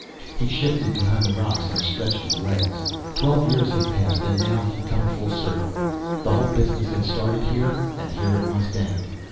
He shifted behind the rocks and stretched his legs. Twelve years had passed, and now he'd come full circle. The whole business had started here, and here it must end.